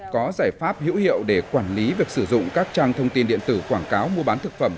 có giải pháp hữu hiệu để quản lý việc sử dụng các trang thông tin điện tử quảng cáo mua bán thực phẩm